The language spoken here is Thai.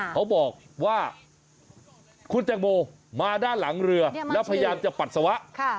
เขาบอกว่าคุณแตงโมมาด้านหลังเรือแล้วพยายามจะปัสสาวะ